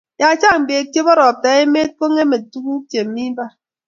ya chang bek chebo robta emet kongeme tunguk chemi mbar